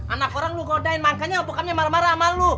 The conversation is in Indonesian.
anak orang lu godain makanya bukannya marah marah sama lu